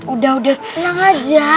udah udah hilang aja